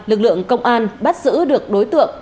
lực lượng công an bắt giữ được đối tượng